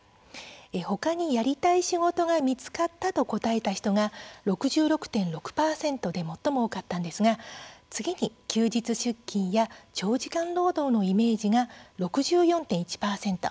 他にやりたい仕事が見つかったと答えた人が６６．６％で最も多かったんですが次に休日出勤や長時間労働のイメージが６４．１％。